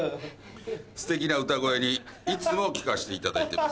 ステキな歌声にいつも聴かしていただいてます。